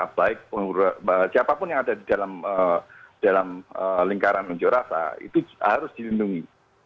baik siapapun yang ada di dalam lingkaran unjuk rasa itu harus dilindungi